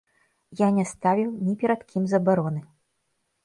Я не ставіў ні перад кім забароны.